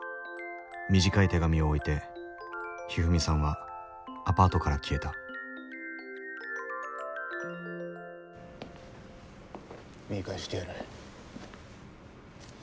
短い手紙を置いてひふみさんはアパートから消えた見返してやる。